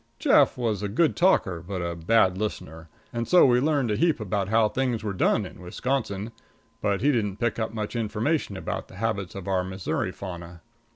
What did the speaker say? Jeff was a good talker, but a bad listener, and so we learned a heap about how things were done in Wisconsin, but he didn't pick up much information about the habits of our Missouri fauna.